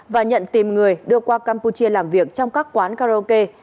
và nhận tìm người đưa qua campuchia làm việc trong các quán karaoke